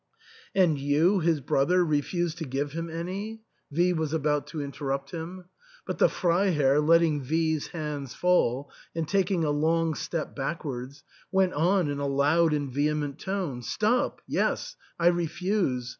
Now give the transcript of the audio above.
" And you, his brother, refuse to 288 THE ENTAIL. give him any ?" V was about to interrupt him ; but the Freiherr, letting V *s hands fall, and taking a long step backwards, went on in a loud and vehement tone. " Stop ! yes ; I refuse.